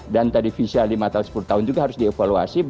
dan tadi visa lima sepuluh tahun juga harus reevaluasi